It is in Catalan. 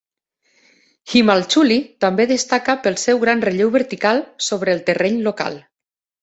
Himalchuli també destaca pel seu gran relleu vertical sobre el terreny local.